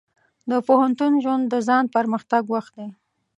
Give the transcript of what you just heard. د پوهنتون ژوند د ځان پرمختګ وخت دی.